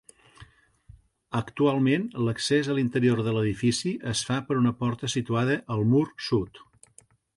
Actualment, l'accés a l'interior de l'edifici es fa per una porta situada al mur sud.